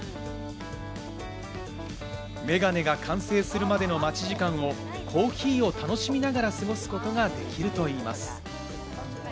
眼鏡が完成するまでの待ち時間をコーヒーを楽しみながら過ごすことができるといいます。